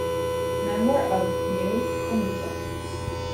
Member of New Komeito.